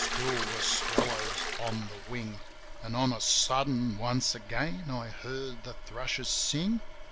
Still were swallows on the wing. An', on a sudden, once again I heard the thrushes sing.